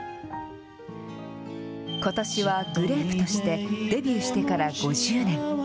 ことしはグレープとしてデビューしてから５０年。